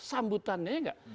sambutannya ya nggak